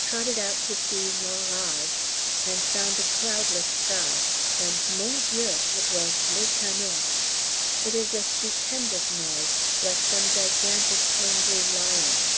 trotted out to see l'orage, and found a cloudless sky, and, mon Dieu, it was les canons. It is a stupendous noise, like some gigantic angry lion.